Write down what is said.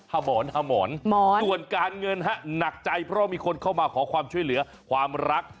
หมอนหาหมอนหมอนส่วนการเงินฮะหนักใจเพราะมีคนเข้ามาขอความช่วยเหลือความรัก